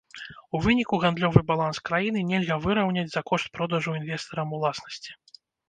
У выніку гандлёвы баланс краіны нельга выраўняць за кошт продажу інвестарам уласнасці.